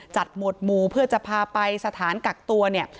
หมดหมู่เพื่อจะพาไปสถานกักตัวเนี่ย